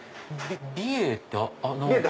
美瑛ってあの？